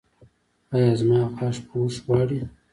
ایا زما غاښ پوښ غواړي؟